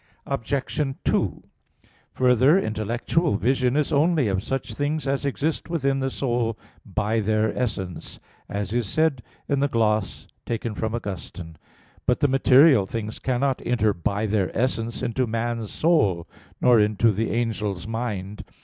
Obj. 2: Further, intellectual vision is only of such things as exist within the soul by their essence, as is said in the gloss [*On 2 Cor. 12:2, taken from Augustine (Gen. ad lit. xii. 28)]. But the material things cannot enter by their essence into man's soul, nor into the angel's mind.